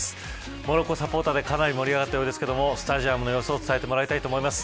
モロッコサポーターがかなり盛り上がったようですがスタジアムの様子を伝えてもらいます。